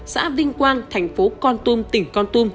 xã vinh quang thành phố con tum tỉnh con tum